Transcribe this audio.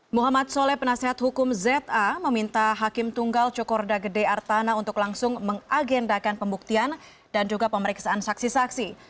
muhammad soleh penasehat hukum za meminta hakim tunggal cokorda gede artana untuk langsung mengagendakan pembuktian dan juga pemeriksaan saksi saksi